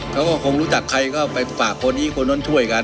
เขาก็คงรู้จักใครก็ไปฝากคนนี้คนนั้นช่วยกัน